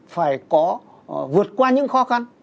phải có vượt qua những khó khăn